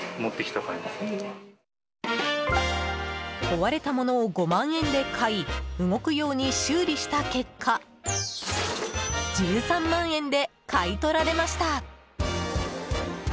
壊れた物を５万円で買い動くように修理した結果１３万円で買い取られました！